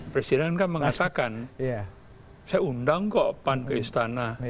presiden kan mengatakan saya undang kok pan ke istana